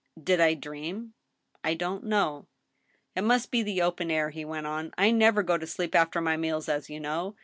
"Did I dream?" " I don't know." " It must be the open air," he went on ; "I never go to sleep after my meals, as you know.